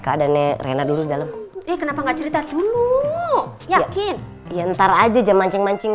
keadaannya rena dulu dalam eh kenapa enggak cerita dulu yakin ya ntar aja mancing mancing